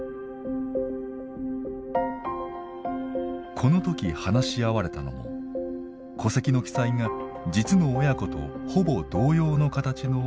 この時話し合われたのも戸籍の記載が実の親子とほぼ同様の形の養子縁組の在り方でした。